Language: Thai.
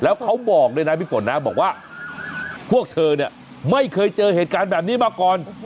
แล้วเขาบอกด้วยนะพี่ฝนนะบอกว่าพวกเธอเนี่ยไม่เคยเจอเหตุการณ์แบบนี้มาก่อน